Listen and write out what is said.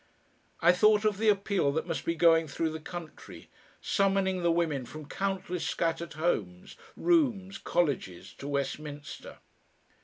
I thought of the appeal that must be going through the country, summoning the women from countless scattered homes, rooms, colleges, to Westminster.